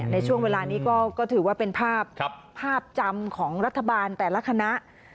ในช่วงเวลานี้ก็ถือว่าเป็นภาพภาพจำของรัฐบาลแต่ละคณะ